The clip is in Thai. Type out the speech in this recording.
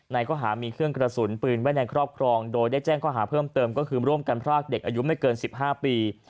ข้อหามีเครื่องกระสุนปืนไว้ในครอบครองโดยได้แจ้งข้อหาเพิ่มเติมก็คือร่วมกันพรากเด็กอายุไม่เกิน๑๕ปี